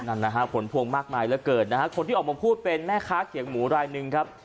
นั่นนะฮะผลพวงมากมายเหลือเกินนะฮะคนที่ออกมาพูดเป็นแม่ค้าเขียงหมูรายหนึ่งครับ